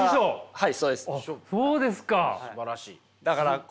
はい。